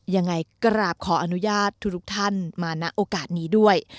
ยังไงกราบขออนุญาตทุกท่านมาณโอกาสนี้ด้วย